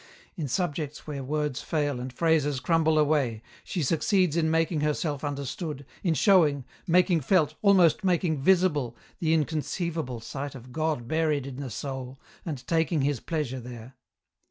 In subjects where words fail and phrases crumble away, she succeeds in making herself understood, in showing, making felt, almost making visible, the incon ceivable sight of God buried in the soul, and taking His pleasure there.